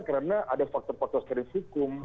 karena ada faktor faktor sekaligus hukum